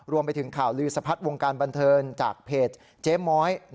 รวมไปถึงข่าวรีศพัฒน์วงการบันเทิญจากเพจเจมส์หมอย